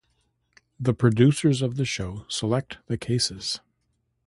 The producers of the show select the cases.